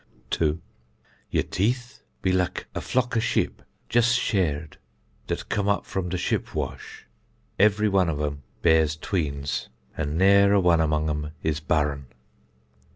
2. Yer teeth be lik a flock of ship just shared, dat come up from de ship wash; every one of em bears tweens, an nare a one among em is barren.